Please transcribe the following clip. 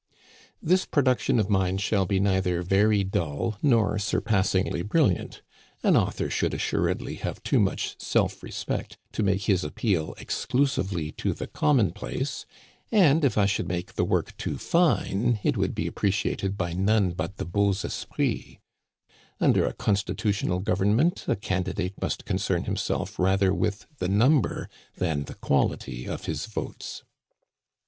This production of mine shall be neither very dull nor surpassingly brilliant. An author should assuredly have too much self respect to make his appeal exclu sively to the commonplace ; and if I should make the work too fine, it would be appreciated by none but the beaux esprits. Under a constitutional government, a candidate must concern himself rather with the number than the quality of his votes.